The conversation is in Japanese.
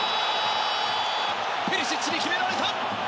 ペリシッチに決められた！